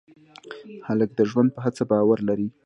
هلک د ژوند په هڅه باور لري.